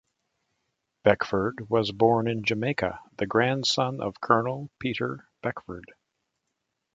Beckford was born in Jamaica the grandson of Colonel Peter Beckford.